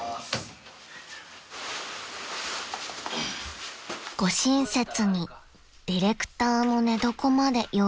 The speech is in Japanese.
［ご親切にディレクターの寝床まで用意してくれました］